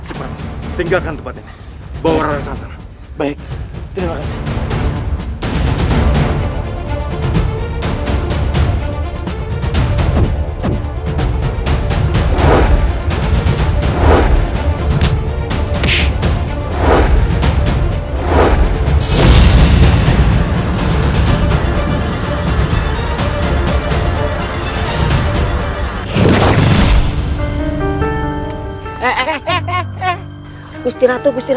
impian alhamdulillah rabbil alamin